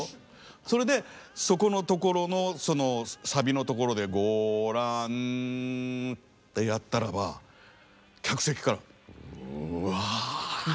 それでそこのところのサビのところで「ごらん」ってやったらば客席からうわっ。